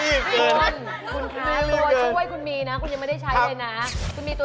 ตัวช่วยคุณมีนะ